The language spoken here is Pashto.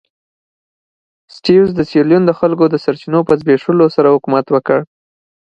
سټیونز د سیریلیون د خلکو د سرچینو په زبېښلو سره حکومت وکړ.